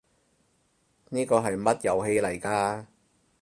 呢個係乜遊戲嚟㗎？